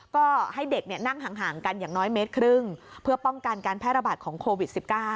ก็ให้เด็กนั่งห่างกันอย่างน้อยเมตรครึ่งเพื่อป้องกันการแพร่ระบาดของโควิด๑๙